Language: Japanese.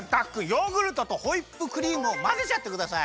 ヨーグルトとホイップクリームをまぜちゃってください！